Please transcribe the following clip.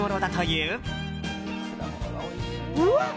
うわ！